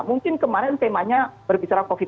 mungkin kemarin temanya berbicara covid sembilan belas